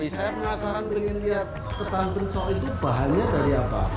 saya penasaran pengen lihat tertahan pencok itu bahannya dari apa